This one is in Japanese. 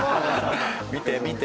見て見て。